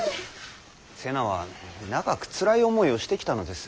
瀬名は長くつらい思いをしてきたのです。